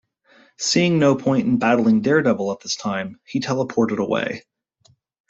Seeing no point in battling Daredevil at this time, he teleported away.